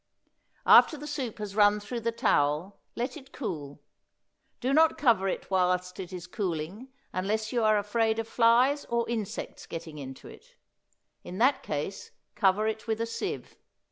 After the soup has run through the towel let it cool; do not cover it while it is cooling unless you are afraid of flies or insects getting into it; in that case cover it with a sieve.